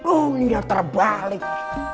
oh ini yang terbalik